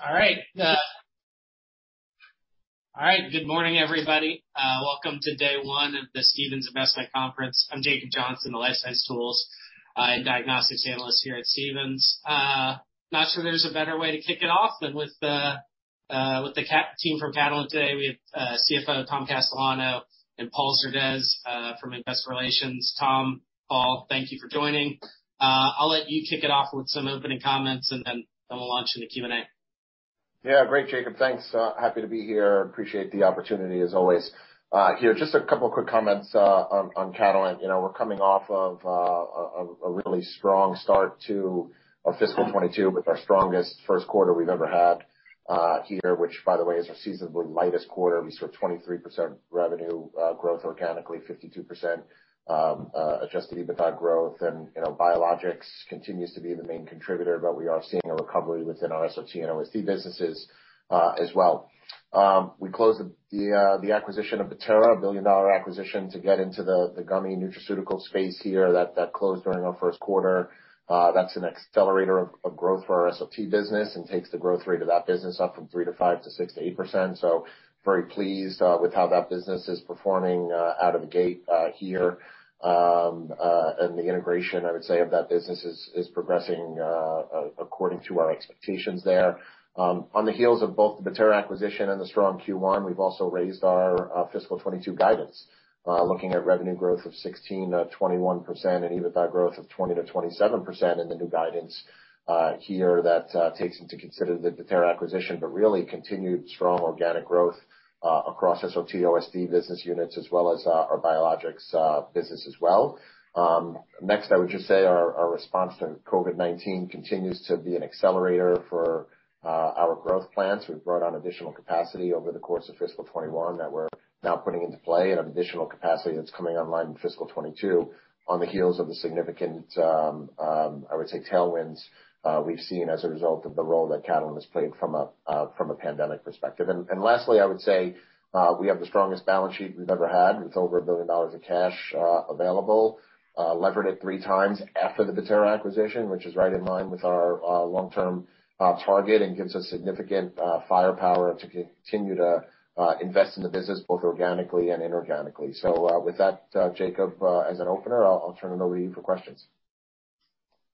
All right. Good morning, everybody. Welcome to day one of the Stephens Investment Conference. I'm Jacob Johnson, a life science tools and diagnostics analyst here at Stephens. Not sure there's a better way to kick it off than with the team from Catalent today. We have CFO Tom Castellano and Paul Surdez from Investor Relations. Tom, Paul, thank you for joining. I'll let you kick it off with some opening comments, and then we'll launch into Q&A. Yeah, great, Jacob. Thanks. Happy to be here. Appreciate the opportunity, as always, here. Just a couple of quick comments on Catalent. We're coming off of a really strong start to our fiscal 2022 with our strongest first quarter we've ever had here, which, by the way, is our seasonally lightest quarter. We saw 23% revenue growth organically, 52% adjusted EBITDA growth. And Biologics continues to be the main contributor, but we are seeing a recovery within our SOT and OSD businesses as well. We closed the acquisition of Bettera, a $1 billion acquisition, to get into the gummy nutraceutical space here that closed during our first quarter. That's an accelerator of growth for our SOT business and takes the growth rate of that business up from 3%-5%-6% to 8%. So very pleased with how that business is performing out of the gate here. The integration, I would say, of that business is progressing according to our expectations there. On the heels of both the Bettera acquisition and the strong Q1, we've also raised our fiscal 2022 guidance, looking at revenue growth of 16%-21% and EBITDA growth of 20%-27% in the new guidance here that takes into consideration the Bettera acquisition, but really continued strong organic growth across SOT, OSD business units, as well as our Biologics business as well. Next, I would just say our response to COVID-19 continues to be an accelerator for our growth plans. We've brought on additional capacity over the course of fiscal 2021 that we're now putting into play and additional capacity that's coming online in fiscal 2022 on the heels of the significant, I would say, tailwinds we've seen as a result of the role that Catalent has played from a pandemic perspective. And lastly, I would say we have the strongest balance sheet we've ever had with over $1 billion of cash available, levered it three times after the Bettera acquisition, which is right in line with our long-term target and gives us significant firepower to continue to invest in the business both organically and inorganically. So with that, Jacob, as an opener, I'll turn it over to you for questions.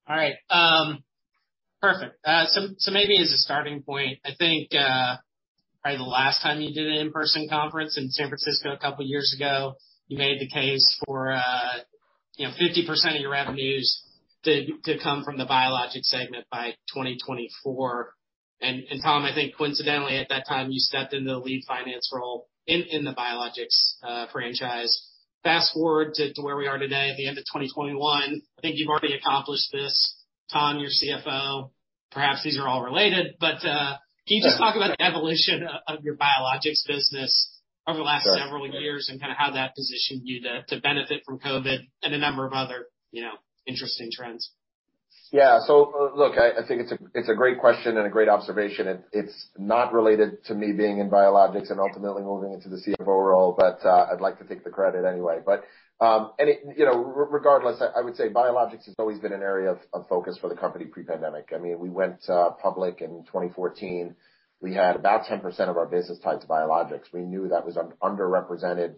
All right. Perfect. So maybe as a starting point, I think probably the last time you did an in-person conference in San Francisco a couple of years ago, you made the case for 50% of your revenues to come from the Biologics segment by 2024. And Tom, I think coincidentally at that time, you stepped into the lead finance role in the Biologics franchise. Fast forward to where we are today, at the end of 2021, I think you've already accomplished this. Tom, you're CFO. Perhaps these are all related, but can you just talk about the evolution of your Biologics business over the last several years and kind of how that positioned you to benefit from COVID and a number of other interesting trends? Yeah. So look, I think it's a great question and a great observation. It's not related to me being in Biologics and ultimately moving into the CFO role, but I'd like to take the credit anyway. But regardless, I would say Biologics has always been an area of focus for the company pre-pandemic. I mean, we went public in 2014. We had about 10% of our business tied to Biologics. We knew that was underrepresented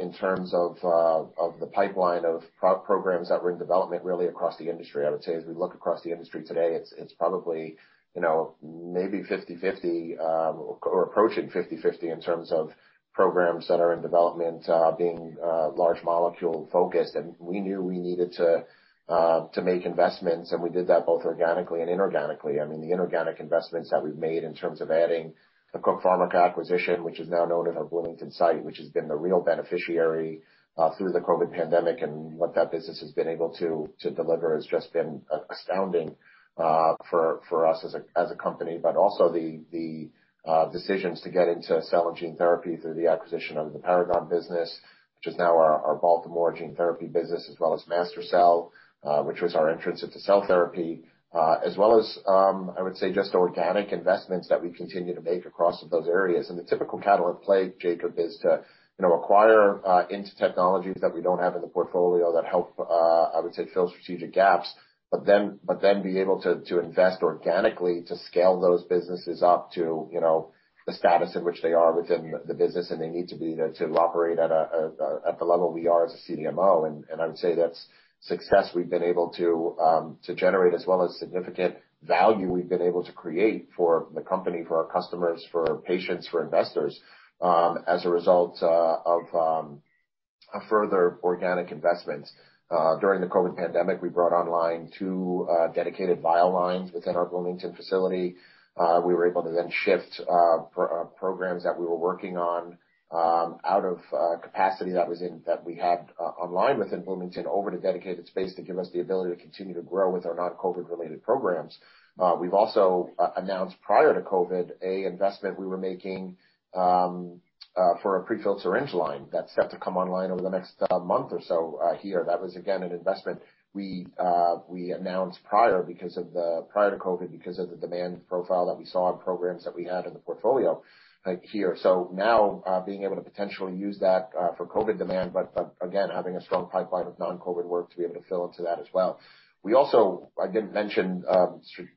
in terms of the pipeline of programs that were in development really across the industry. I would say as we look across the industry today, it's probably maybe 50/50 or approaching 50/50 in terms of programs that are in development being large molecule focused. And we knew we needed to make investments, and we did that both organically and inorganically. I mean, the inorganic investments that we've made in terms of adding the Cook Pharmica acquisition, which is now known as our Bloomington site, which has been the real beneficiary through the COVID pandemic, and what that business has been able to deliver has just been astounding for us as a company. But also the decisions to get into cell and gene therapy through the acquisition of the Paragon business, which is now our Baltimore gene therapy business, as well as MaSTherCell, which was our entrance into cell therapy, as well as, I would say, just organic investments that we continue to make across those areas. The typical Catalent play, Jacob, is to acquire into technologies that we don't have in the portfolio that help, I would say, fill strategic gaps, but then be able to invest organically to scale those businesses up to the status in which they are within the business, and they need to be to operate at the level we are as a CDMO. I would say that's success we've been able to generate, as well as significant value we've been able to create for the company, for our customers, for patients, for investors as a result of further organic investments. During the COVID pandemic, we brought online two dedicated vial lines within our Bloomington facility. We were able to then shift programs that we were working on out of capacity that we had online within Bloomington over to dedicated space to give us the ability to continue to grow with our non-COVID-related programs. We've also announced prior to COVID an investment we were making for a prefilled syringe line that's set to come online over the next month or so here. That was, again, an investment we announced prior to COVID because of the demand profile that we saw in programs that we had in the portfolio here, so now being able to potentially use that for COVID demand, but again, having a strong pipeline of non-COVID work to be able to fill into that as well. I didn't mention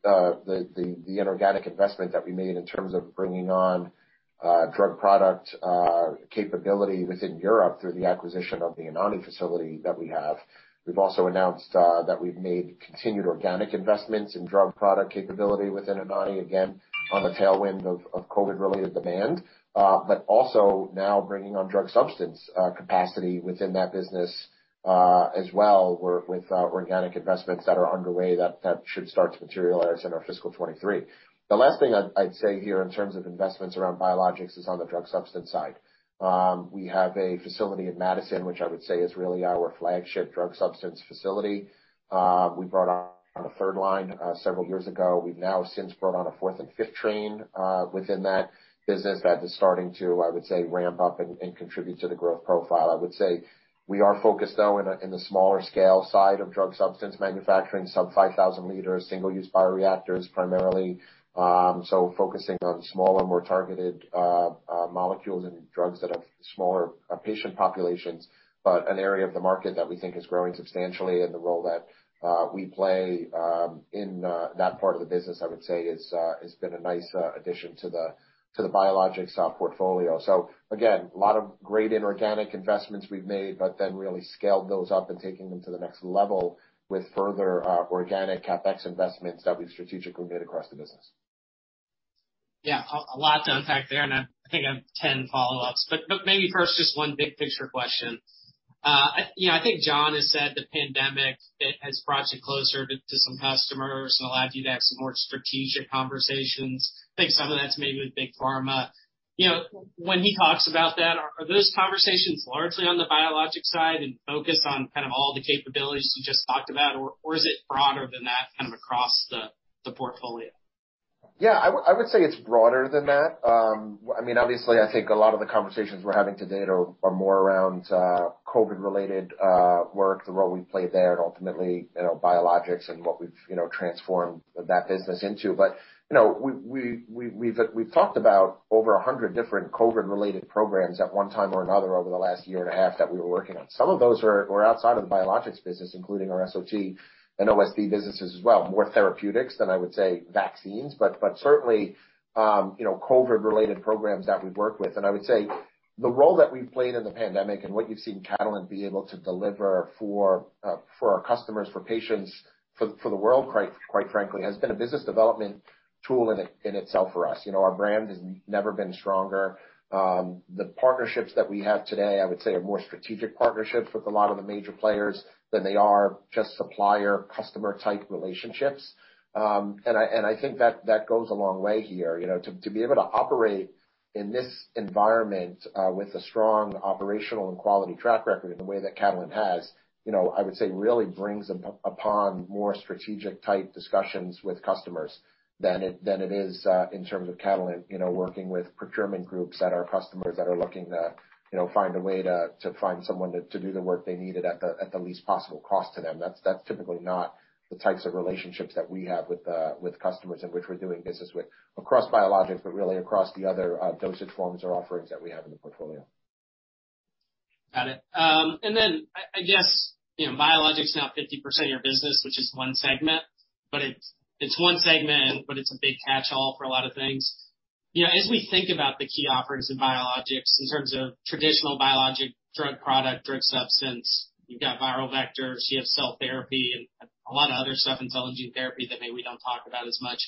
the inorganic investment that we made in terms of bringing on drug product capability within Europe through the acquisition of the Anagni facility that we have. We've also announced that we've made continued organic investments in drug product capability within Anagni, again, on the tailwind of COVID-related demand, but also now bringing on drug substance capacity within that business as well with organic investments that are underway that should start to materialize in our fiscal 2023. The last thing I'd say here in terms of investments around Biologics is on the drug substance side. We have a facility in Madison, which I would say is really our flagship drug substance facility. We brought on a third line several years ago. We've now since brought on a fourth and fifth train within that business that is starting to, I would say, ramp up and contribute to the growth profile. I would say we are focused, though, in the smaller scale side of drug substance manufacturing, some 5,000 liters single-use bioreactors primarily, so focusing on smaller, more targeted molecules and drugs that have smaller patient populations, but an area of the market that we think is growing substantially and the role that we play in that part of the business, I would say, has been a nice addition to the Biologics portfolio. So again, a lot of great inorganic investments we've made, but then really scaled those up and taking them to the next level with further organic CapEx investments that we've strategically made across the business. Yeah, a lot to unpack there. And I think I have 10 follow-ups, but maybe first just one big picture question. I think John has said the pandemic has brought you closer to some customers and allowed you to have some more strategic conversations. I think some of that's maybe with big pharma. When he talks about that, are those conversations largely on the Biologics side and focus on kind of all the capabilities you just talked about, or is it broader than that kind of across the portfolio? Yeah, I would say it's broader than that. I mean, obviously, I think a lot of the conversations we're having today are more around COVID-related work, the role we've played there, and ultimately biologics and what we've transformed that business into. But we've talked about over 100 different COVID-related programs at one time or another over the last year and a half that we were working on. Some of those were outside of the biologics business, including our SOT and OSD businesses as well, more therapeutics than I would say vaccines, but certainly COVID-related programs that we've worked with. And I would say the role that we've played in the pandemic and what you've seen Catalent be able to deliver for our customers, for patients, for the world, quite frankly, has been a business development tool in itself for us. Our brand has never been stronger. The partnerships that we have today, I would say, are more strategic partnerships with a lot of the major players than they are just supplier-customer type relationships. And I think that goes a long way here. To be able to operate in this environment with a strong operational and quality track record in the way that Catalent has, I would say, really brings upon more strategic type discussions with customers than it is in terms of Catalent working with procurement groups that are customers that are looking to find a way to find someone to do the work they needed at the least possible cost to them. That's typically not the types of relationships that we have with customers in which we're doing business with across Biologics, but really across the other dosage forms or offerings that we have in the portfolio. Got it. And then I guess Biologics is now 50% of your business, which is one segment, but it's one segment, but it's a big catch-all for a lot of things. As we think about the key offerings in Biologics in terms of traditional biologic drug product, drug substance, you've got viral vectors, you have cell therapy, and a lot of other stuff in cell and gene therapy that maybe we don't talk about as much.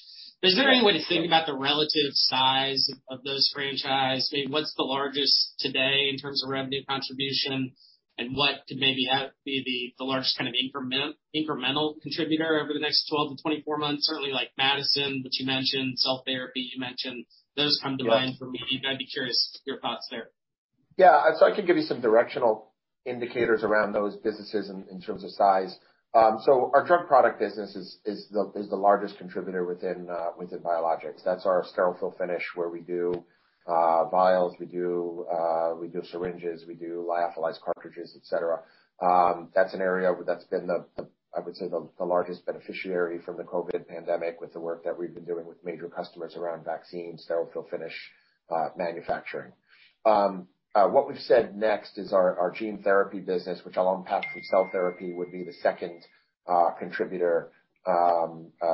But is there any way to think about the relative size of those franchises? I mean, what's the largest today in terms of revenue contribution, and what could maybe be the largest kind of incremental contributor over the next 12-24 months? Certainly like Madison, which you mentioned, cell therapy you mentioned. Those come to mind for me. I'd be curious your thoughts there. Yeah. So I can give you some directional indicators around those businesses in terms of size. So our drug product business is the largest contributor within Biologics. That's our sterile fill-finish where we do vials, we do syringes, we do lyophilized cartridges, etc. That's an area that's been, I would say, the largest beneficiary from the COVID pandemic with the work that we've been doing with major customers around vaccine, sterile fill-finish manufacturing. What we've said next is our gene therapy business, which I'll unpack from cell therapy, would be the second contributor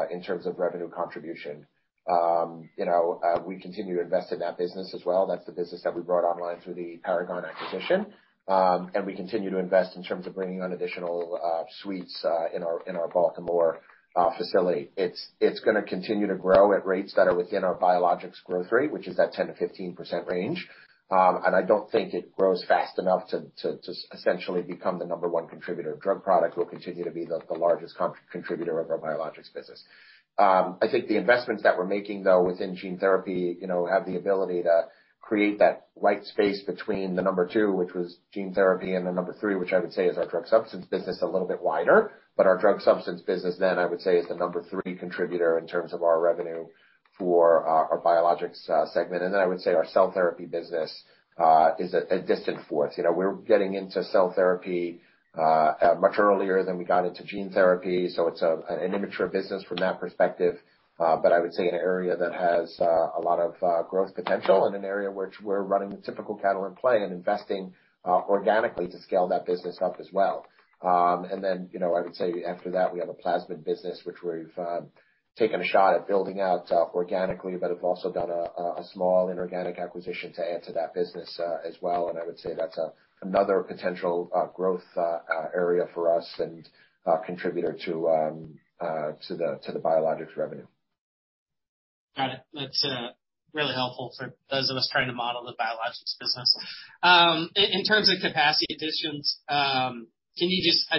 in terms of revenue contribution. We continue to invest in that business as well. That's the business that we brought online through the Paragon acquisition. And we continue to invest in terms of bringing on additional suites in our Baltimore facility. It's going to continue to grow at rates that are within our Biologics growth rate, which is that 10%-15% range, and I don't think it grows fast enough to essentially become the number one contributor of drug product. We'll continue to be the largest contributor of our Biologics business. I think the investments that we're making, though, within gene therapy have the ability to create that white space between the number two, which was gene therapy, and the number three, which I would say is our drug substance business, a little bit wider, but our drug substance business then, I would say, is the number three contributor in terms of our revenue for our Biologics segment, and then I would say our cell therapy business is a distant fourth. We're getting into cell therapy much earlier than we got into gene therapy. So it's an immature business from that perspective, but I would say an area that has a lot of growth potential and an area where we're running typical Catalent play and investing organically to scale that business up as well. And then I would say after that, we have a plasmid business, which we've taken a shot at building out organically, but have also done a small inorganic acquisition to add to that business as well. And I would say that's another potential growth area for us and contributor to the biologics revenue. Got it. That's really helpful for those of us trying to model the Biologics business. In terms of capacity additions, I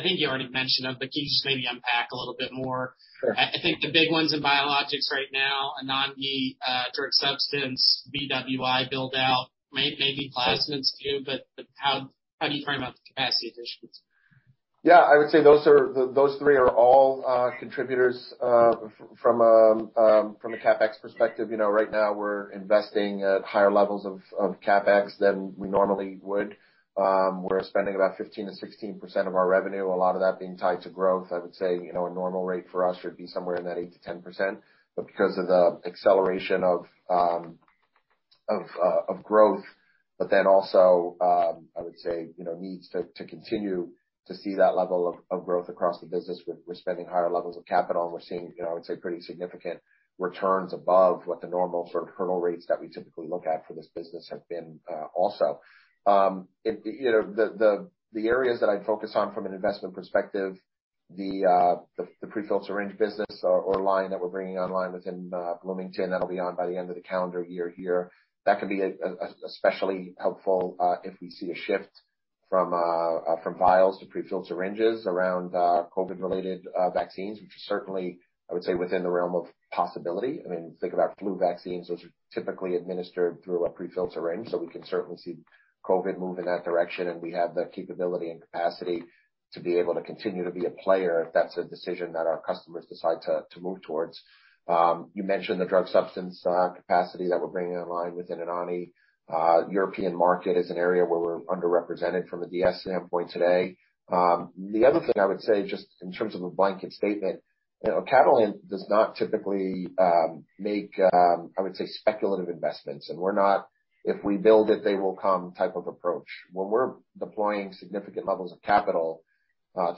think you already mentioned them, but can you just maybe unpack a little bit more? I think the big ones in Biologics right now, Anagni, drug substance, BWI buildout, maybe plasmids too, but how do you frame up capacity additions? Yeah. I would say those three are all contributors from a CapEx perspective. Right now, we're investing at higher levels of CapEx than we normally would. We're spending about 15%-16% of our revenue, a lot of that being tied to growth. I would say a normal rate for us would be somewhere in that 8%-10%, but because of the acceleration of growth, but then also, I would say, needs to continue to see that level of growth across the business. We're spending higher levels of capital, and we're seeing, I would say, pretty significant returns above what the normal sort of hurdle rates that we typically look at for this business have been also. The areas that I'd focus on from an investment perspective, the prefilled syringe business or line that we're bringing online within Bloomington, that'll be on by the end of the calendar year here. That can be especially helpful if we see a shift from vials to prefilled syringes around COVID-related vaccines, which is certainly, I would say, within the realm of possibility. I mean, think about flu vaccines. Those are typically administered through a prefilled syringe, so we can certainly see COVID move in that direction, and we have the capability and capacity to be able to continue to be a player if that's a decision that our customers decide to move towards. You mentioned the drug substance capacity that we're bringing online within Anagni. European market is an area where we're underrepresented from a DS standpoint today. The other thing I would say just in terms of a blanket statement, Catalent does not typically make, I would say, speculative investments. And we're not, if we build it, they will come type of approach. When we're deploying significant levels of capital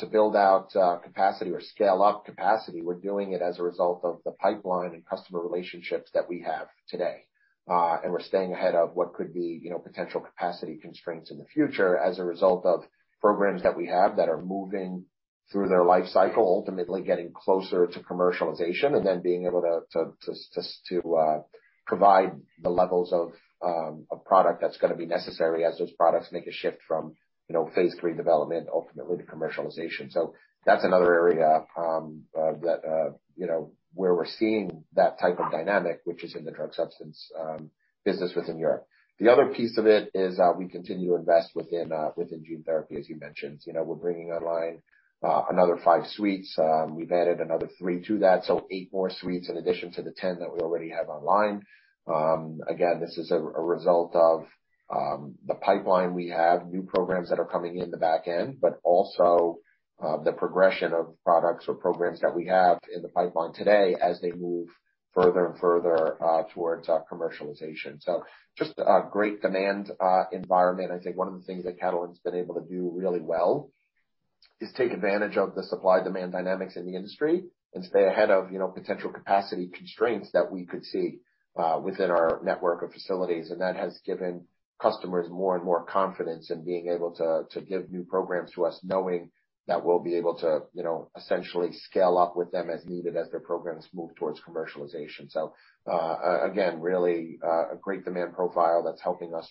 to build out capacity or scale up capacity, we're doing it as a result of the pipeline and customer relationships that we have today. And we're staying ahead of what could be potential capacity constraints in the future as a result of programs that we have that are moving through their life cycle, ultimately getting closer to commercialization and then being able to provide the levels of product that's going to be necessary as those products make a shift from phase three development, ultimately to commercialization. So that's another area where we're seeing that type of dynamic, which is in the drug substance business within Europe. The other piece of it is we continue to invest within gene therapy, as you mentioned. We're bringing online another five suites. We've added another three to that, so eight more suites in addition to the 10 that we already have online. Again, this is a result of the pipeline we have, new programs that are coming in the back end, but also the progression of products or programs that we have in the pipeline today as they move further and further towards commercialization. So just a great demand environment. I think one of the things that Catalent has been able to do really well is take advantage of the supply-demand dynamics in the industry and stay ahead of potential capacity constraints that we could see within our network of facilities. And that has given customers more and more confidence in being able to give new programs to us, knowing that we'll be able to essentially scale up with them as needed as their programs move towards commercialization. So again, really a great demand profile that's helping us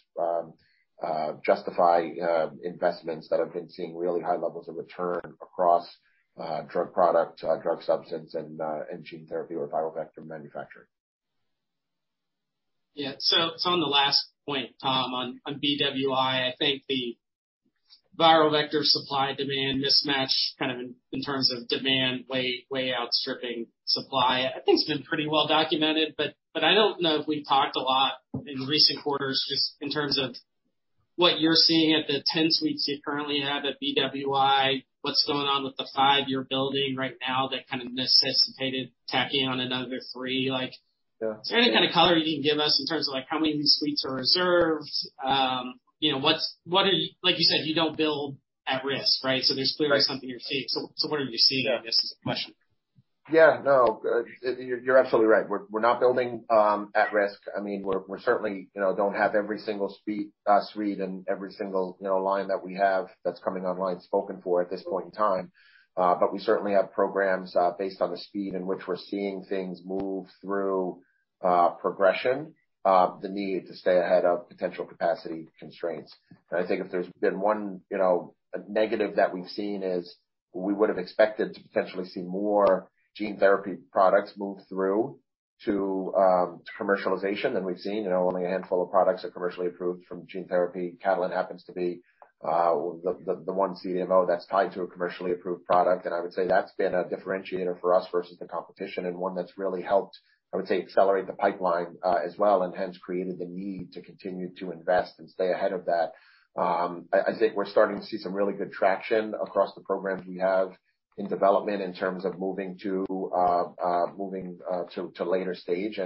justify investments that have been seeing really high levels of return across drug product, drug substance, and gene therapy or viral vector manufacturing. Yeah. So on the last point, Tom, on BWI, I think the viral vector supply-demand mismatch kind of in terms of demand way outstripping supply. I think it's been pretty well documented, but I don't know if we've talked a lot in recent quarters just in terms of what you're seeing at the 10 suites you currently have at BWI. What's going on with the five you're building right now that kind of necessitated tacking on another three? Is there any kind of color you can give us in terms of how many suites are reserved? Like you said, you don't build at risk, right? So there's clearly something you're seeing. So what are you seeing in this is the question. Yeah. No, you're absolutely right. We're not building at risk. I mean, we certainly don't have every single suite and every single line that we have that's coming online spoken for at this point in time. But we certainly have programs based on the speed in which we're seeing things move through progression, the need to stay ahead of potential capacity constraints, and I think if there's been one negative that we've seen is we would have expected to potentially see more gene therapy products move through to commercialization than we've seen. Only a handful of products are commercially approved from gene therapy. Catalent happens to be the one CDMO that's tied to a commercially approved product. I would say that's been a differentiator for us versus the competition and one that's really helped, I would say, accelerate the pipeline as well and hence created the need to continue to invest and stay ahead of that. I think we're starting to see some really good traction across the programs we have in development in terms of moving to later stage.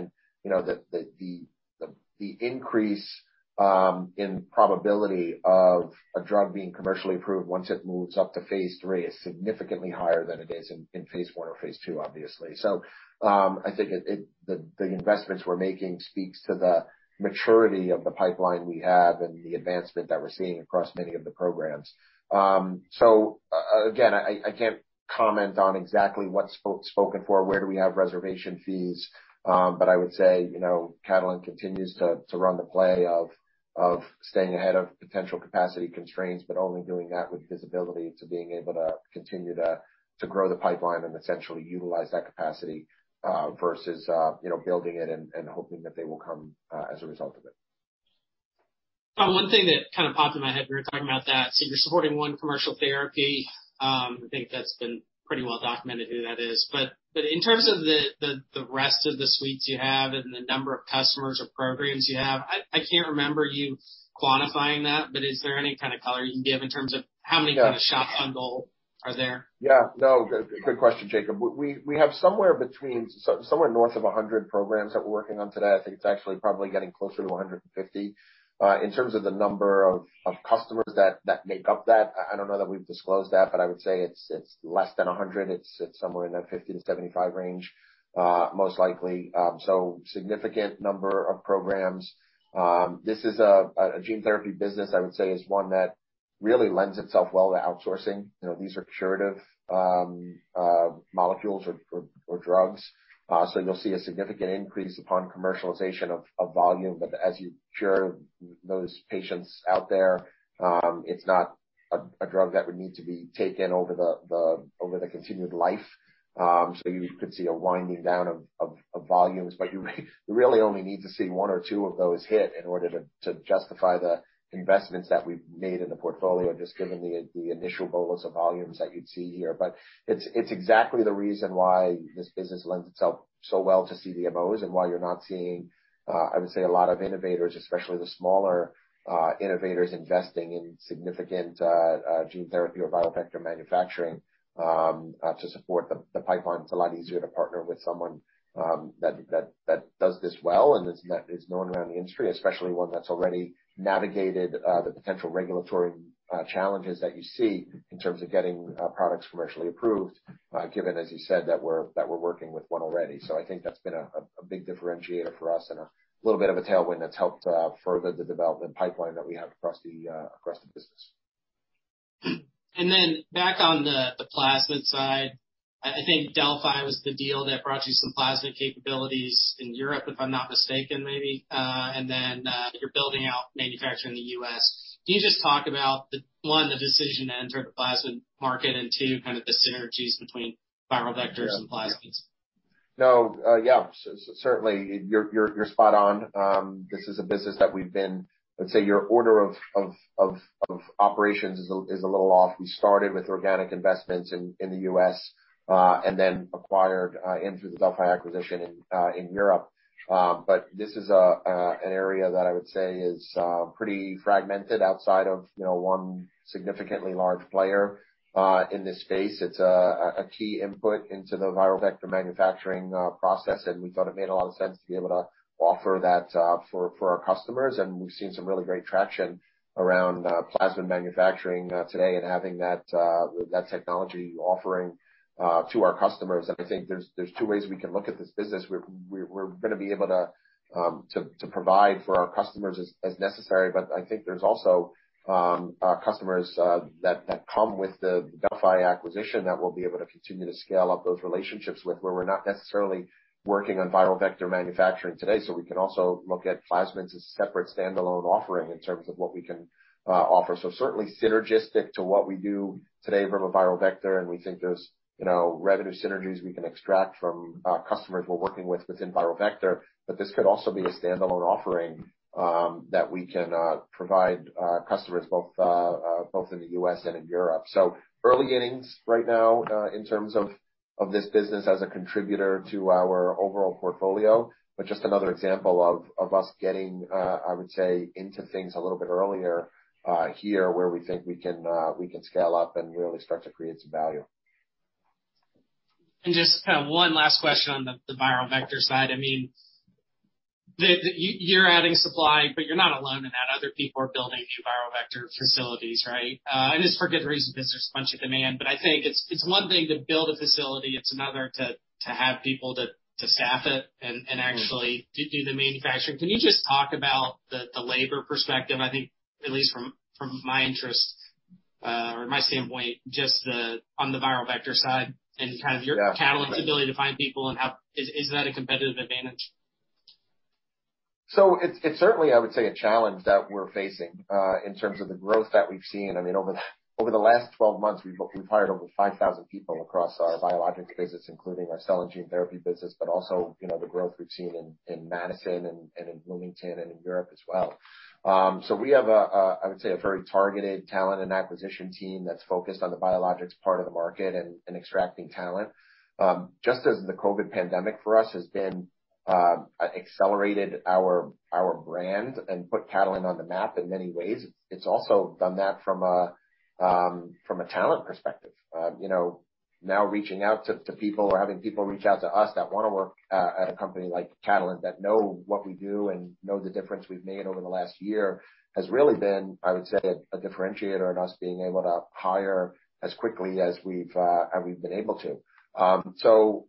The increase in probability of a drug being commercially approved once it moves up to phase three is significantly higher than it is in phase one or phase two, obviously. I think the investments we're making speaks to the maturity of the pipeline we have and the advancement that we're seeing across many of the programs. So, again, I can't comment on exactly what's spoken for, where do we have reservation fees, but I would say Catalent continues to run the play of staying ahead of potential capacity constraints, but only doing that with visibility to being able to continue to grow the pipeline and essentially utilize that capacity versus building it and hoping that they will come as a result of it. One thing that kind of popped in my head when you were talking about that, so you're supporting one commercial therapy. I think that's been pretty well documented who that is. But in terms of the rest of the suites you have and the number of customers or programs you have, I can't remember you quantifying that, but is there any kind of color you can give in terms of how many kind of shots on goal are there? Yeah. No, good question, Jacob. We have somewhere north of 100 programs that we're working on today. I think it's actually probably getting closer to 150. In terms of the number of customers that make up that, I don't know that we've disclosed that, but I would say it's less than 100. It's somewhere in that 50-75 range, most likely. So significant number of programs. This is a gene therapy business, I would say, is one that really lends itself well to outsourcing. These are curative molecules or drugs. So you'll see a significant increase upon commercialization of volume. But as you cure those patients out there, it's not a drug that would need to be taken over the continued life. So you could see a winding down of volumes, but you really only need to see one or two of those hit in order to justify the investments that we've made in the portfolio just given the initial bolus of volumes that you'd see here. But it's exactly the reason why this business lends itself so well to CDMOs and why you're not seeing, I would say, a lot of innovators, especially the smaller innovators investing in significant gene therapy or viral vector manufacturing to support the pipeline. It's a lot easier to partner with someone that does this well and is known around the industry, especially one that's already navigated the potential regulatory challenges that you see in terms of getting products commercially approved, given, as you said, that we're working with one already. So I think that's been a big differentiator for us and a little bit of a tailwind that's helped further the development pipeline that we have across the business. And then back on the plasmid side, I think Delphi was the deal that brought you some plasmid capabilities in Europe, if I'm not mistaken, maybe. And then you're building out manufacturing in the U.S. Can you just talk about, one, the decision to enter the plasmid market, and two, kind of the synergies between viral vectors and plasmids? No. Yeah. Certainly, you're spot on. This is a business that we've been. I'd say your order of operations is a little off. We started with organic investments in the U.S. and then acquired into the Delphi acquisition in Europe. But this is an area that I would say is pretty fragmented outside of one significantly large player in this space. It's a key input into the viral vector manufacturing process, and we thought it made a lot of sense to be able to offer that for our customers. And we've seen some really great traction around plasmid manufacturing today and having that technology offering to our customers. And I think there's two ways we can look at this business. We're going to be able to provide for our customers as necessary, but I think there's also customers that come with the Delphi acquisition that we'll be able to continue to scale up those relationships with where we're not necessarily working on viral vector manufacturing today. So we can also look at plasmids as a separate standalone offering in terms of what we can offer. So certainly synergistic to what we do today from a viral vector, and we think there's revenue synergies we can extract from customers we're working with within viral vector. But this could also be a standalone offering that we can provide customers both in the U.S. and in Europe. Early innings right now in terms of this business as a contributor to our overall portfolio, but just another example of us getting, I would say, into things a little bit earlier here where we think we can scale up and really start to create some value. Just kind of one last question on the viral vector side. I mean, you're adding supply, but you're not alone in that. Other people are building new viral vector facilities, right? And it's for good reason because there's a bunch of demand. But I think it's one thing to build a facility. It's another to have people to staff it and actually do the manufacturing. Can you just talk about the labor perspective? I think, at least from my interest or my standpoint, just on the viral vector side and kind of Catalent's ability to find people and how is that a competitive advantage? It's certainly, I would say, a challenge that we're facing in terms of the growth that we've seen. I mean, over the last 12 months, we've hired over 5,000 people across our biologics business, including our cell and gene therapy business, but also the growth we've seen in Madison and in Bloomington and in Europe as well. We have, I would say, a very targeted talent and acquisition team that's focused on the biologics part of the market and extracting talent. Just as the COVID pandemic for us has accelerated our brand and put Catalent on the map in many ways, it's also done that from a talent perspective. Now, reaching out to people or having people reach out to us that want to work at a company like Catalent that know what we do and know the difference we've made over the last year has really been, I would say, a differentiator in us being able to hire as quickly as we've been able to. So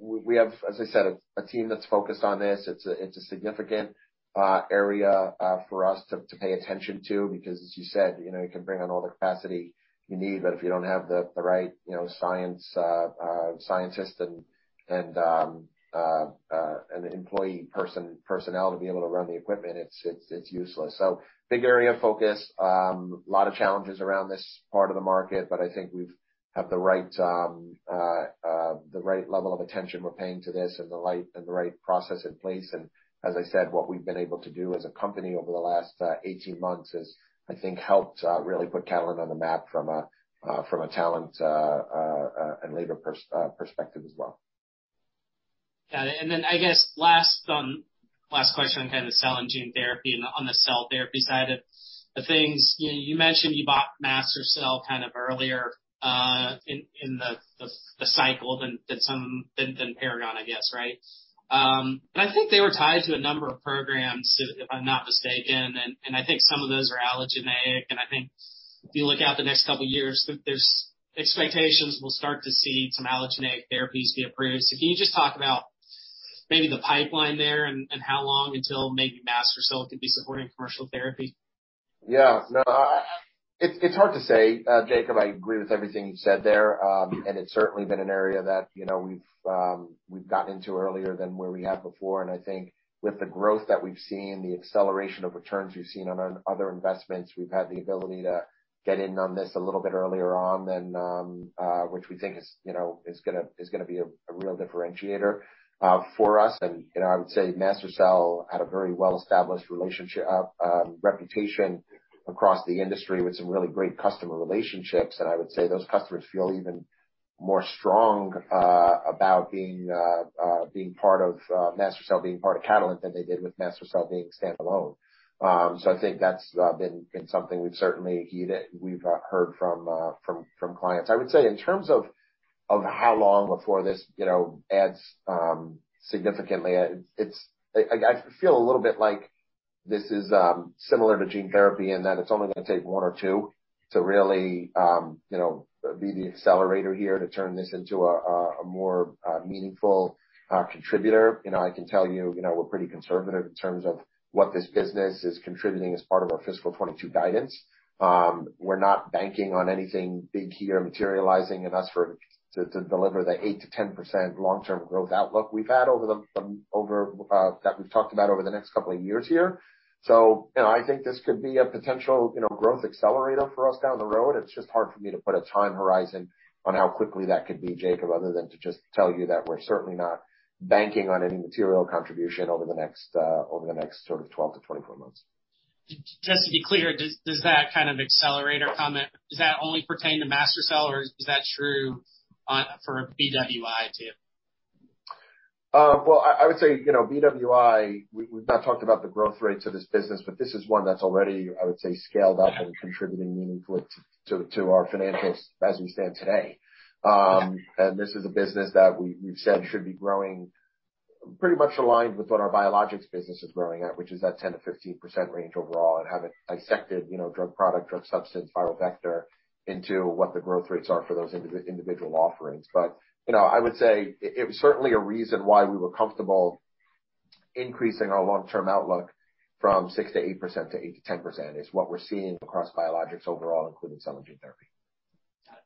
we have, as I said, a team that's focused on this. It's a significant area for us to pay attention to because, as you said, you can bring on all the capacity you need, but if you don't have the right scientists and employee personnel to be able to run the equipment, it's useless. So big area of focus, a lot of challenges around this part of the market, but I think we have the right level of attention we're paying to this and the right process in place. As I said, what we've been able to do as a company over the last 18 months has, I think, helped really put Catalent on the map from a talent and labor perspective as well. Got it. And then I guess last question on kind of the cell and gene therapy and on the cell therapy side of things. You mentioned you bought MaSTherCell kind of earlier in the cycle than Paragon, I guess, right? But I think they were tied to a number of programs, if I'm not mistaken, and I think some of those are allogeneic. And I think if you look out the next couple of years, there's expectations we'll start to see some allogeneic therapies be approved. So can you just talk about maybe the pipeline there and how long until maybe MaSTherCell could be supporting commercial therapy? Yeah. No, it's hard to say, Jacob. I agree with everything you said there, and it's certainly been an area that we've gotten into earlier than where we had before, and I think with the growth that we've seen, the acceleration of returns we've seen on other investments, we've had the ability to get in on this a little bit earlier on, which we think is going to be a real differentiator for us, and I would say MaSTherCell had a very well-established reputation across the industry with some really great customer relationships, and I would say those customers feel even more strong about being part of MaSTherCell, being part of Catalent than they did with MaSTherCell being standalone, so I think that's been something we've certainly heeded. We've heard from clients. I would say in terms of how long before this adds significantly. I feel a little bit like this is similar to gene therapy in that it's only going to take one or two to really be the accelerator here to turn this into a more meaningful contributor. I can tell you we're pretty conservative in terms of what this business is contributing as part of our Fiscal 2022 guidance. We're not banking on anything big here materializing in '22 to deliver the 8%-10% long-term growth outlook we've had that we've talked about over the next couple of years here. So I think this could be a potential growth accelerator for us down the road. It's just hard for me to put a time horizon on how quickly that could be, Jacob, other than to just tell you that we're certainly not banking on any material contribution over the next sort of 12-24 months. Just to be clear, does that kind of accelerator comment, does that only pertain to MaSTherCell or is that true for BWI too? I would say BWI, we've not talked about the growth rates of this business, but this is one that's already, I would say, scaled up and contributing meaningfully to our financials as we stand today. And this is a business that we've said should be growing pretty much aligned with what our biologics business is growing at, which is that 10%-15% range overall and haven't dissected drug product, drug substance, viral vector into what the growth rates are for those individual offerings. But I would say it was certainly a reason why we were comfortable increasing our long-term outlook from 6%-8% to 8%-10%, is what we're seeing across biologics overall, including cell and gene therapy. Got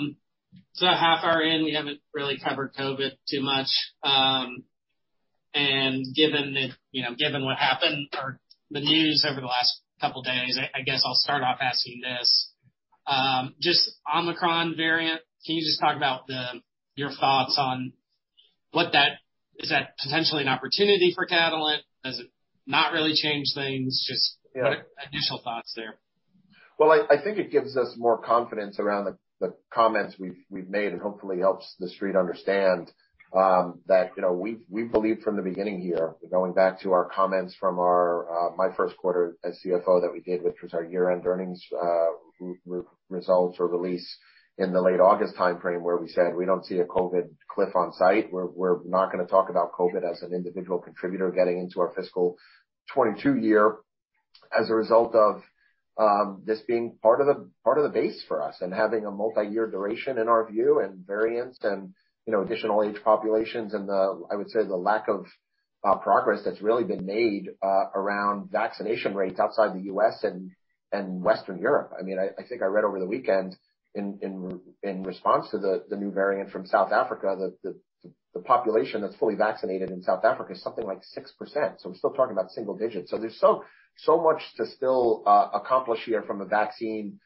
it. So half hour in, we haven't really covered COVID too much. And given what happened, the news over the last couple of days, I guess I'll start off asking this. Just Omicron variant, can you just talk about your thoughts on what that is? Is that potentially an opportunity for Catalent? Does it not really change things? Just additional thoughts there. I think it gives us more confidence around the comments we've made and hopefully helps the street understand that we've believed from the beginning here. We're going back to our comments from my first quarter as CFO that we did, which was our year-end earnings results or release in the late August timeframe where we said we don't see a COVID cliff onsite. We're not going to talk about COVID as an individual contributor getting into our Fiscal 2022 year as a result of this being part of the base for us and having a multi-year duration in our view and variants and additional age populations. I would say the lack of progress that's really been made around vaccination rates outside the U.S. and Western Europe. I mean, I think I read over the weekend in response to the new variant from South Africa, the population that's fully vaccinated in South Africa is something like 6%. So we're still talking about single digits. So there's so much to still accomplish here from a vaccine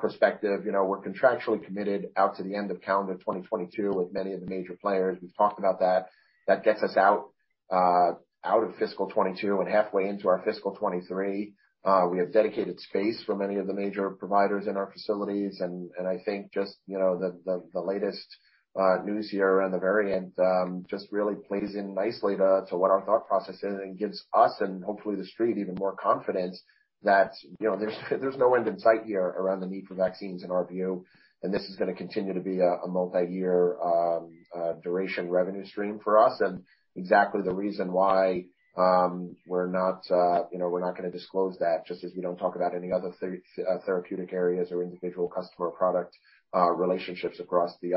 perspective. We're contractually committed out to the end of calendar 2022 with many of the major players. We've talked about that. That gets us out of Fiscal 2022 and halfway into our Fiscal 2023. We have dedicated space for many of the major providers in our facilities. And I think just the latest news here around the variant just really plays in nicely to what our thought process is and gives us and hopefully the street even more confidence that there's no end in sight here around the need for vaccines in our view. And this is going to continue to be a multi-year duration revenue stream for us. And exactly the reason why we're not going to disclose that, just as we don't talk about any other therapeutic areas or individual customer product relationships across the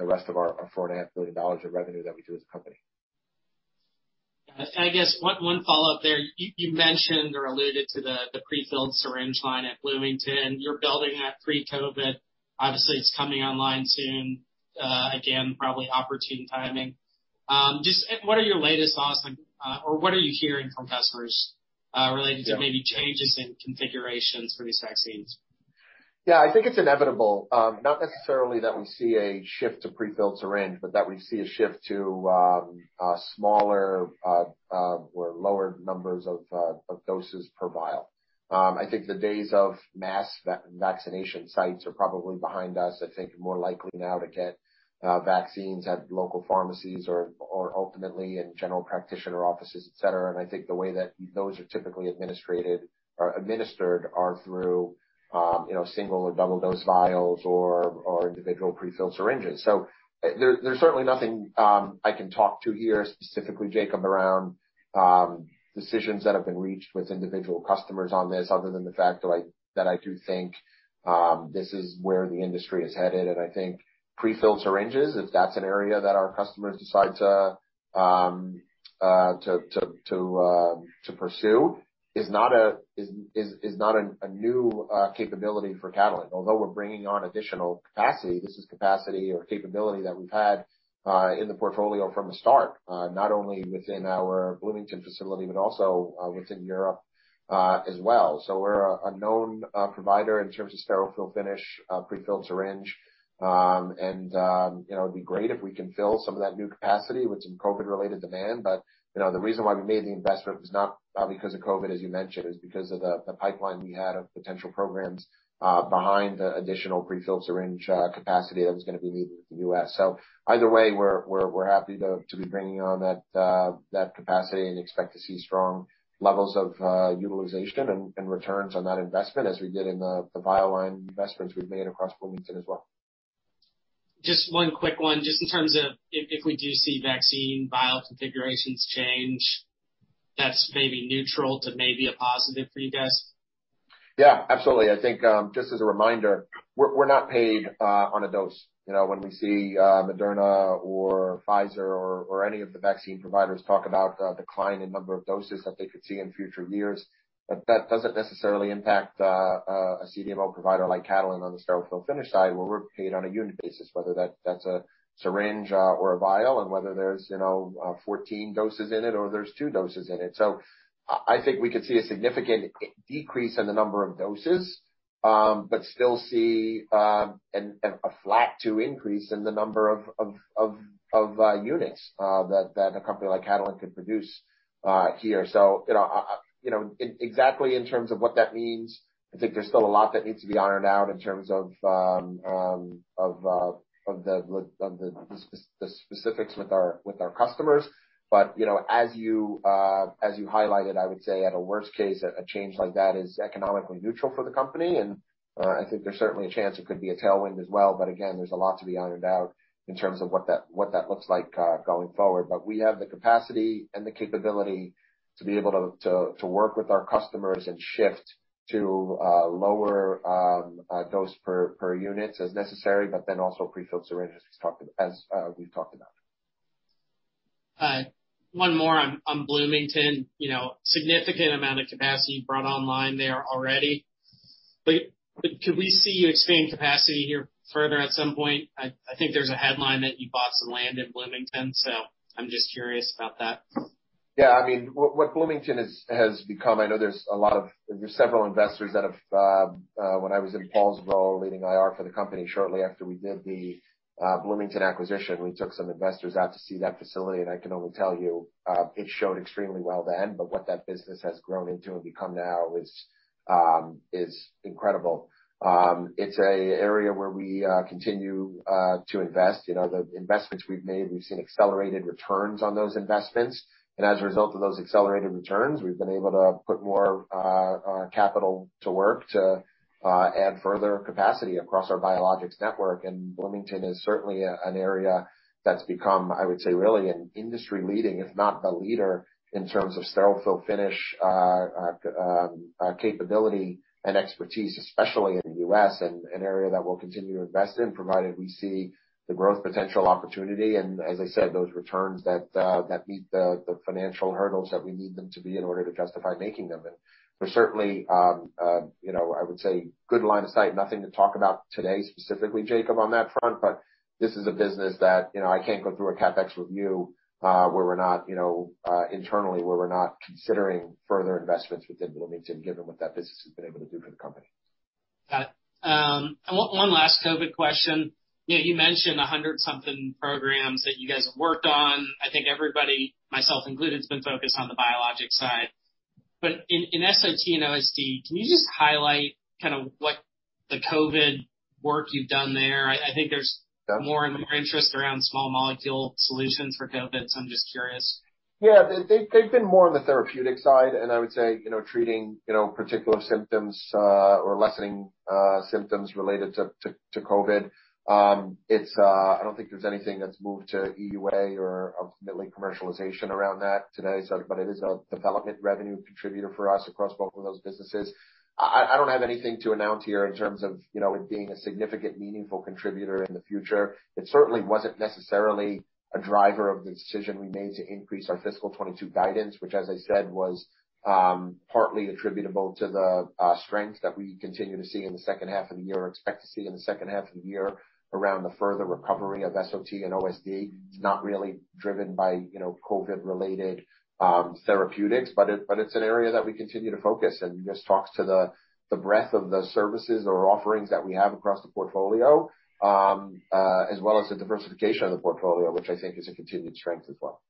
rest of our $4.5 billion of revenue that we do as a company. I guess one follow-up there. You mentioned or alluded to the prefilled syringe line at Bloomington. You're building that pre-COVID. Obviously, it's coming online soon. Again, probably opportune timing. Just what are your latest thoughts or what are you hearing from customers related to maybe changes in configurations for these vaccines? Yeah. I think it's inevitable. Not necessarily that we see a shift to prefilled syringe, but that we see a shift to smaller or lower numbers of doses per vial. I think the days of mass vaccination sites are probably behind us. I think more likely now to get vaccines at local pharmacies or ultimately in general practitioner offices, etc., and I think the way that those are typically administered are through single or double-dose vials or individual prefilled syringes, so there's certainly nothing I can talk to here specifically, Jacob, around decisions that have been reached with individual customers on this other than the fact that I do think this is where the industry is headed, and I think prefilled syringes, if that's an area that our customers decide to pursue, is not a new capability for Catalent. Although we're bringing on additional capacity, this is capacity or capability that we've had in the portfolio from the start, not only within our Bloomington facility, but also within Europe as well. So we're a known provider in terms of sterile fill-finish, prefilled syringe. And it would be great if we can fill some of that new capacity with some COVID-related demand. But the reason why we made the investment was not because of COVID, as you mentioned, is because of the pipeline we had of potential programs behind the additional prefilled syringe capacity that was going to be needed in the U.S. So either way, we're happy to be bringing on that capacity and expect to see strong levels of utilization and returns on that investment as we did in the vial line investments we've made across Bloomington as well. Just one quick one. Just in terms of if we do see vaccine vial configurations change, that's maybe neutral to maybe a positive for you guys? Yeah, absolutely. I think just as a reminder, we're not paid on a dose. When we see Moderna or Pfizer or any of the vaccine providers talk about a decline in number of doses that they could see in future years, that doesn't necessarily impact a CDMO provider like Catalent on the sterile fill-finish side where we're paid on a unit basis, whether that's a syringe or a vial and whether there's 14 doses in it or there's two doses in it. So I think we could see a significant decrease in the number of doses, but still see a flat to increase in the number of units that a company like Catalent could produce here. So exactly in terms of what that means, I think there's still a lot that needs to be ironed out in terms of the specifics with our customers. But as you highlighted, I would say at a worst case, a change like that is economically neutral for the company. And I think there's certainly a chance it could be a tailwind as well. But again, there's a lot to be ironed out in terms of what that looks like going forward. But we have the capacity and the capability to be able to work with our customers and shift to lower dose per units as necessary, but then also prefilled syringes as we've talked about. One more on Bloomington. Significant amount of capacity brought online there already. But could we see you expand capacity here further at some point? I think there's a headline that you bought some land in Bloomington. So I'm just curious about that. Yeah. I mean, what Bloomington has become, I know there's several investors that have, when I was in my role leading IR for the company shortly after we did the Bloomington acquisition, we took some investors out to see that facility. And I can only tell you it showed extremely well then. But what that business has grown into and become now is incredible. It's an area where we continue to invest. The investments we've made, we've seen accelerated returns on those investments. And as a result of those accelerated returns, we've been able to put more capital to work to add further capacity across our biologics network. Bloomington is certainly an area that's become, I would say, really an industry-leading, if not the leader, in terms of sterile fill-finish capability and expertise, especially in the U.S., and an area that we'll continue to invest in provided we see the growth potential opportunity. As I said, those returns that meet the financial hurdles that we need them to be in order to justify making them. There's certainly, I would say, good line of sight. Nothing to talk about today specifically, Jacob, on that front. This is a business that I can't go through a CapEx review where we're not internally, where we're not considering further investments within Bloomington given what that business has been able to do for the company. Got it. One last COVID question. You mentioned 100-something programs that you guys have worked on. I think everybody, myself included, has been focused on the biologics side. But in SOT and OSD, can you just highlight kind of what the COVID work you've done there? I think there's more and more interest around small molecule solutions for COVID. So I'm just curious. Yeah. They've been more on the therapeutic side, and I would say treating particular symptoms or lessening symptoms related to COVID. I don't think there's anything that's moved to EUA or ultimately commercialization around that today, but it is a development revenue contributor for us across both of those businesses. I don't have anything to announce here in terms of it being a significant, meaningful contributor in the future. It certainly wasn't necessarily a driver of the decision we made to increase our Fiscal 2022 guidance, which, as I said, was partly attributable to the strength that we continue to see in the second half of the year or expect to see in the second half of the year around the further recovery of SOT and OSD. It's not really driven by COVID-related therapeutics, but it's an area that we continue to focus and just talks to the breadth of the services or offerings that we have across the portfolio, as well as the diversification of the portfolio, which I think is a continued strength as well.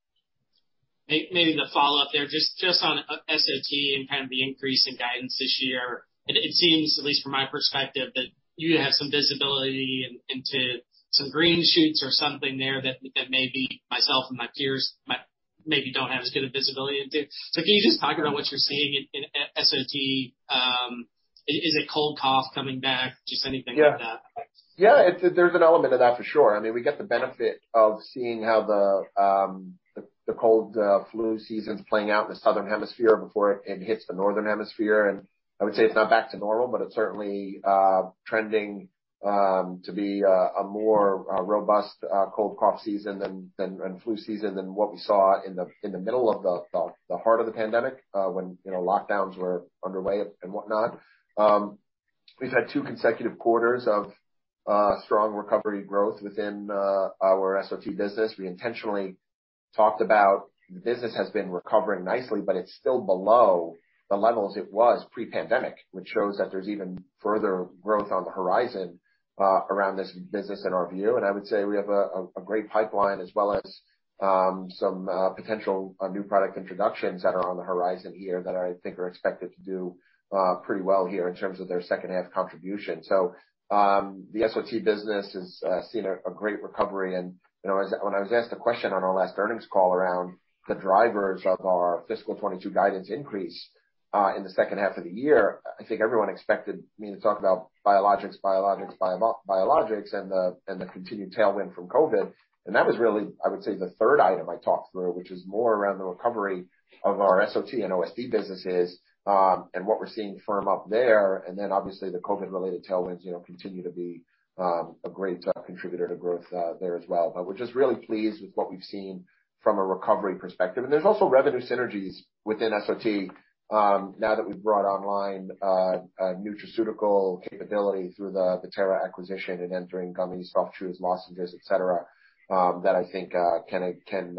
Maybe the follow-up there, just on SOT and kind of the increase in guidance this year, it seems, at least from my perspective, that you have some visibility into some green shoots or something there that maybe myself and my peers maybe don't have as good a visibility into. So can you just talk about what you're seeing in SOT? Is it cold cough coming back? Just anything like that. Yeah. Yeah. There's an element of that for sure. I mean, we get the benefit of seeing how the cold flu season's playing out in the southern hemisphere before it hits the northern hemisphere, and I would say it's not back to normal, but it's certainly trending to be a more robust cold cough season and flu season than what we saw in the middle of the heart of the pandemic when lockdowns were underway and whatnot. We've had two consecutive quarters of strong recovery growth within our SOT business. We intentionally talked about the business has been recovering nicely, but it's still below the levels it was pre-pandemic, which shows that there's even further growth on the horizon around this business in our view. And I would say we have a great pipeline as well as some potential new product introductions that are on the horizon here that I think are expected to do pretty well here in terms of their second-half contribution. So the SOT business has seen a great recovery. And when I was asked a question on our last earnings call around the drivers of our Fiscal 2022 guidance increase in the second half of the year, I think everyone expected me to talk about biologics, biologics, biologics, and the continued tailwind from COVID. And that was really, I would say, the third item I talked through, which is more around the recovery of our SOT and OSD businesses and what we're seeing firm up there. And then obviously the COVID-related tailwinds continue to be a great contributor to growth there as well. But we're just really pleased with what we've seen from a recovery perspective. And there's also revenue synergies within SOT now that we've brought online nutraceutical capability through the Terra acquisition and entering gummies, soft chews, lozenges, etc., that I think can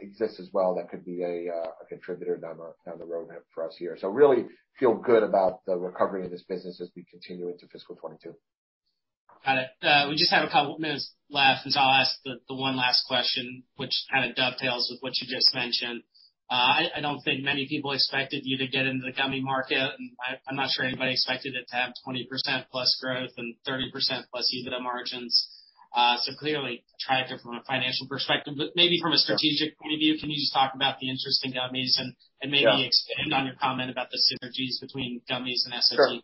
exist as well that could be a contributor down the road for us here. So really feel good about the recovery of this business as we continue into Fiscal 2022. Got it. We just have a couple of minutes left. And so I'll ask the one last question, which kind of dovetails with what you just mentioned. I don't think many people expected you to get into the gummy market. And I'm not sure anybody expected it to have 20% plus growth and 30% plus EBITDA margins. So clearly attractive from a financial perspective. But maybe from a strategic point of view, can you just talk about the interest in gummies and maybe expand on your comment about the synergies between gummies and SOT?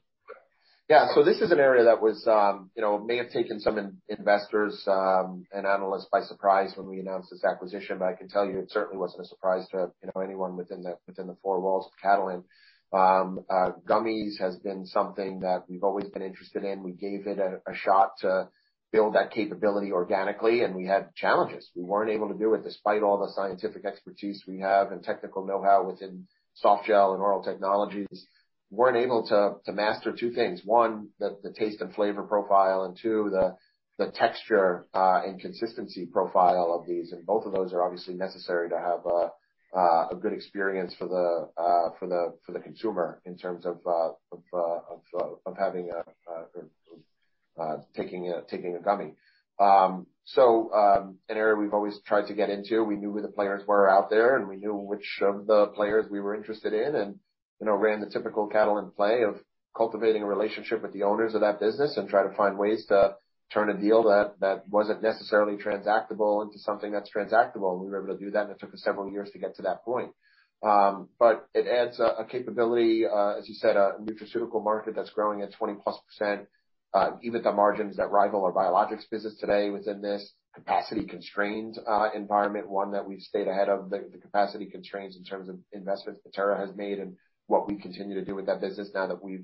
Yeah. So this is an area that may have taken some investors and analysts by surprise when we announced this acquisition. But I can tell you it certainly wasn't a surprise to anyone within the four walls of Catalent. Gummies has been something that we've always been interested in. We gave it a shot to build that capability organically. And we had challenges. We weren't able to do it despite all the scientific expertise we have and technical know-how within softgel and oral technologies. We weren't able to master two things. One, the taste and flavor profile. And two, the texture and consistency profile of these. And both of those are obviously necessary to have a good experience for the consumer in terms of having or taking a gummy. So an area we've always tried to get into. We knew who the players were out there. And we knew which of the players we were interested in and ran the typical Catalent play of cultivating a relationship with the owners of that business and try to find ways to turn a deal that wasn't necessarily transactable into something that's transactable. And we were able to do that. And it took us several years to get to that point. But it adds a capability, as you said, a nutraceutical market that's growing at 20% plus EBITDA margins that rival our biologics business today within this capacity-constrained environment, one that we've stayed ahead of the capacity constraints in terms of investments that Terra has made and what we continue to do with that business now that we've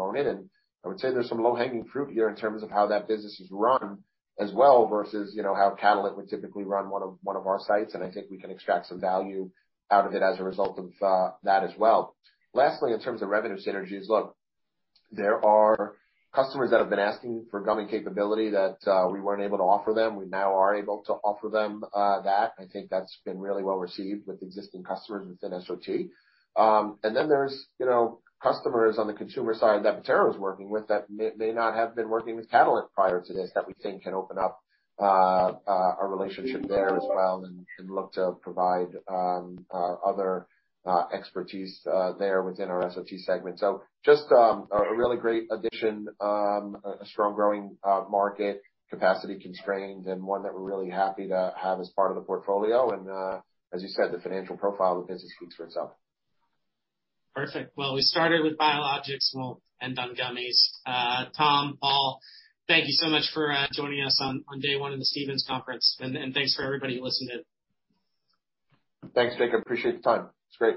owned it. And I would say there's some low-hanging fruit here in terms of how that business is run as well versus how Catalent would typically run one of our sites. And I think we can extract some value out of it as a result of that as well. Lastly, in terms of revenue synergies, look, there are customers that have been asking for gummy capability that we weren't able to offer them. We now are able to offer them that. I think that's been really well received with existing customers within SOT. And then there's customers on the consumer side that Terra is working with that may not have been working with Catalent prior to this that we think can open up a relationship there as well and look to provide other expertise there within our SOT segment. So just a really great addition, a strong-growing market, capacity-constrained, and one that we're really happy to have as part of the portfolio. And as you said, the financial profile of the business speaks for itself. Perfect. Well, we started with biologics. We'll end on gummies. Tom, Paul, thank you so much for joining us on day one of the Stephens Conference. And thanks for everybody who listened in. Thanks, Jacob. Appreciate the time. It's great.